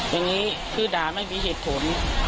อย่างนี้คือด่าไม่มีเหตุผล